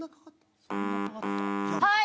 はい！